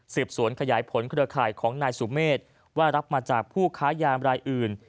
สวนขยายผลเครือข่ายของนายสุเมฆว่ารับมาจากผู้ค้ายามรายอื่น